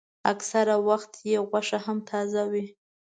اکثره وخت یې غوښه هم تازه وي.